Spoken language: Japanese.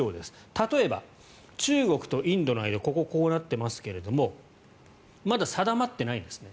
例えば、中国とインドの間ここ、こうなっていますがまだ定まってないんですね。